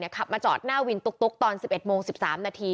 ขับมาจอดหน้าวินตุ๊กตอน๑๑โมง๑๓นาที